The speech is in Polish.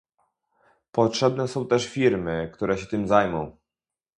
Potrzebne są też firmy, które się tym zajmą